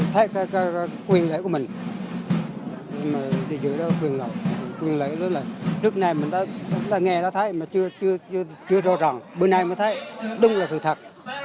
trước này nghe thấy chưa rõ ràng bữa nay mới thấy đúng là sự thật